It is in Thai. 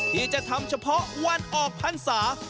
ที่จะทำเฉพาะวันออกพรรษา